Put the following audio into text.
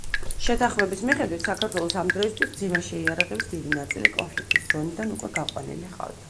შეთანხმების მიხედვით, საქართველოს ამ დროისთვის მძიმე შეიარაღების დიდი ნაწილი კონფლიქტის ზონიდან უკვე გაყვანილი ჰყავდა.